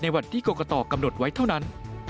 วันที่กรกตกำหนดไว้เท่านั้น